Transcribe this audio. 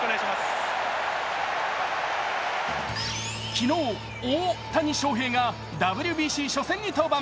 昨日、大谷翔平がＷＢＣ初戦に登板。